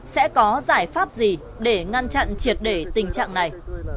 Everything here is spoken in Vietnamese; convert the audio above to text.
sẽ có giải pháp gì để ngăn chặn triệt để tình trạng này